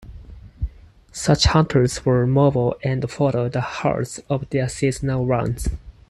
Such hunters were mobile and followed the herds on their seasonal rounds.